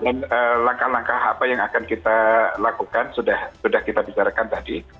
dengan langkah langkah apa yang akan kita lakukan sudah kita bicarakan tadi